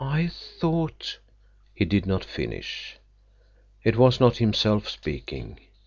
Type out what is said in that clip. "I thought—" He did not finish. It was not himself speaking.